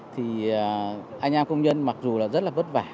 thì anh em công nhân mặc dù là rất là vất vả